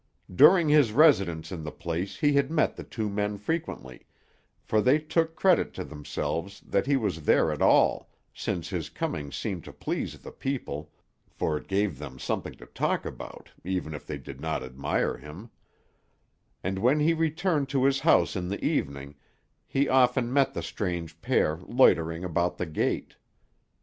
During his residence in the place he had met the two men frequently, for they took credit to themselves that he was there at all, since his coming seemed to please the people (for it gave them something to talk about, even if they did not admire him); and when he returned to his house in the evening, he often met the strange pair loitering about the gate.